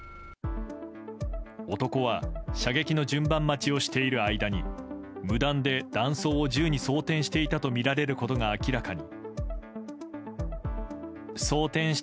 男は、射撃の順番待ちをしている間に無断で弾倉を銃に装填していたとみられることが明らかに。